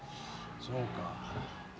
そうか。